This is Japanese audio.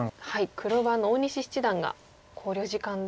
黒番の大西七段が考慮時間でございます。